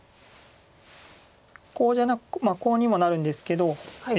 コウじゃなくコウにもなるんですけど。